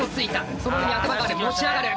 その上に頭がある持ち上がる。